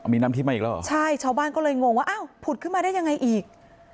มีน้ำทิพย์มาอีกแล้วเหรอใช่ชาวบ้านก็เลยงงว่าอ้าวผุดขึ้นมาได้ยังไงอีก